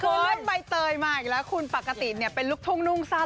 คือเรื่องใบเตยมาอีกแล้วคุณปกติเป็นลูกทุ่งนุ่งซ่าน